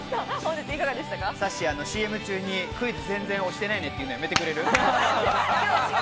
さっしー、ＣＭ中にクイズ、全然押してないねというのをやめてくれる？